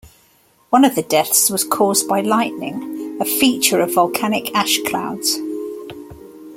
One of the deaths was caused by lightning, a feature of volcanic ash clouds.